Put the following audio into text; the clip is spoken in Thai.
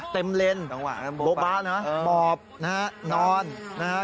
เต็มเลนโบ๊ะนะปอบนอนนะฮะ